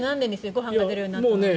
ご飯が出るようになったの。